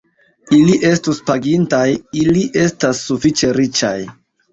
Ili estus pagintaj; ili estas sufiĉe riĉaj.